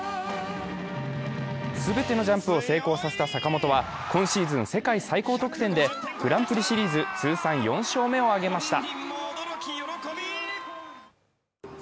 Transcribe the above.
全てのジャンプを成功させた坂本は、今シーズン世界最高得点でグランプリシリーズ通算４勝目を挙げました。